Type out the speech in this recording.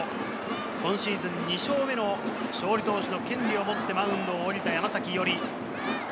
今シーズン２勝目の勝利投手の権利を持って、マウンドを降りた山崎伊織。